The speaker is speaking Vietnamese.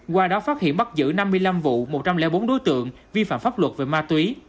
qua đó phát hiện bắt giữ năm mươi năm vụ một trăm linh bốn đối tượng vi phạm pháp luật về ma túy